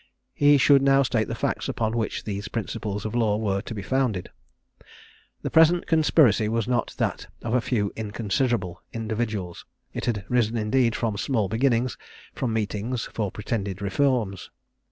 He should now state the facts, upon which these principles of law were to be founded. The present conspiracy was not that of a few inconsiderable individuals; it had risen indeed from small beginnings, from meetings for pretended reforms.